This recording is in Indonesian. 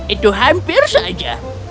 itu hampir saja